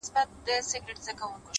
ځكه مي دعا.دعا.دعا په غېږ كي ايښې ده.